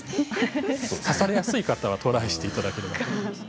刺されやすい方はトライしていただければと思います。